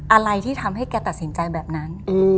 อะไรที่ทำให้แกตัดสินใจแบบนั้น